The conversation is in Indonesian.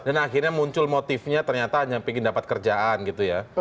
dan akhirnya muncul motifnya ternyata hanya ingin dapat kerjaan gitu ya